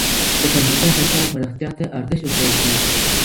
د فرهنګي اسانتياوو پراختيا ته ارزښت ورکول کيږي.